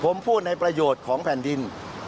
ผมพูดในประโยชน์ของแผ่นดิน